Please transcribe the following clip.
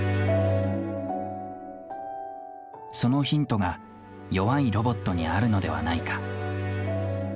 そのヒントが弱いロボットにあるのではないか。